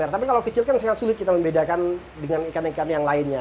tapi kalau kecil kan sangat sulit kita membedakan dengan ikan ikan yang lainnya